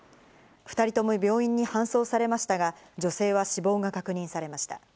２人とも病院に搬送されましたが、女性は死亡が確認されました。